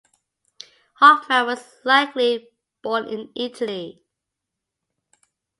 Hoffmann was likely born in Italy.